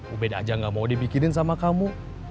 ubed aja gak mau dibikirin sama kamu